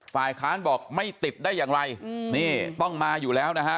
ฝ่ายค้านบอกไม่ติดได้อย่างไรนี่ต้องมาอยู่แล้วนะฮะ